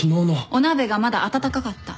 お鍋がまだ温かかった。